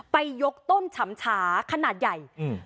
ยกต้นฉำชาขนาดใหญ่อืม